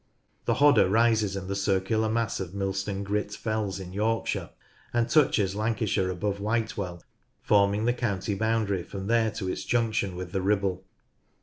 The Hodder rises in the circular mass of Millstone Grit fells in Yorkshire, and touches Lancashire above White well, forming the county boundary from there to its junction with the Ribble.